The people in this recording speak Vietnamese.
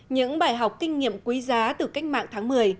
những bài học kinh nghiệm quý giá từ cách mạng tháng một mươi